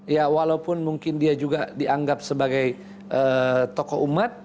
ya walaupun mungkin dia juga dianggap sebagai tokoh umat